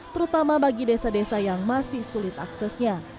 terutama bagi desa desa yang masih sulit aksesnya